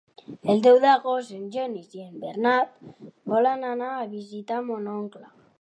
El deu d'agost en Genís i en Bernat volen anar a visitar mon oncle.